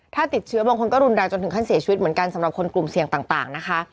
ถ้าติดเชื้อบางคนก็รุนแรงจนถึงขั้นเสียชีวิตเหมือนกันสำหรับคนกลุ่มเสี่ยงต่างนะคะ